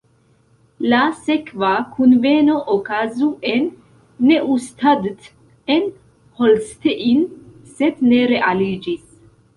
La sekva kunveno okazu en Neustadt in Holstein, sed ne realiĝis.